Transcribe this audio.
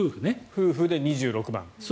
夫婦で２６万円。